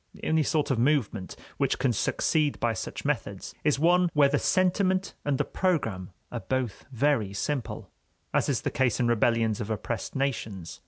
The only sort of movement which can succeed by such methods is one where the sentiment and the program are both very simple, as is the case in rebellions of oppressed nations.